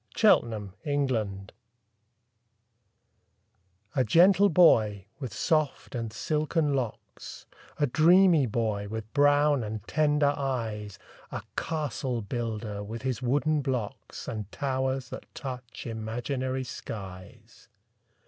THE CASTLE BUILDER A gentle boy, with soft and silken locks A dreamy boy, with brown and tender eyes, A castle builder, with his wooden blocks, And towers that touch imaginary skies.